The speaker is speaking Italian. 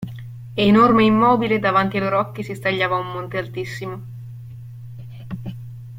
Enorme e immobile davanti ai loro occhi si stagliava un monte altissimo.